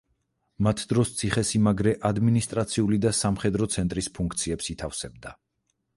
მათ დროს ციხესიმაგრე ადმინისტრაციული და სამხედრო ცენტრის ფუნქციებს ითავსებდა.